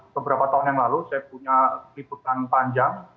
beberapa tahun yang lalu saya punya liputan panjang